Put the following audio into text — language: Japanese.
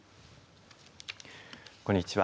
こんにちは。